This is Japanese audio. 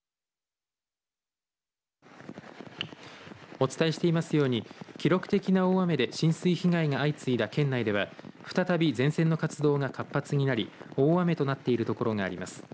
お伝えしていますように記録的な大雨で浸水被害が相次いだ県内では再び前線の活動が活発になり大雨となっているところがあります。